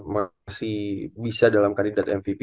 masih bisa dalam kandidat mvp